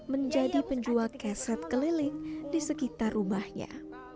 menjadi penjual keset keliling di sekitar rumahnya